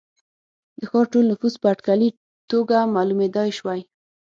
د ښار ټول نفوس په اټکلي توګه معلومېدای شوای.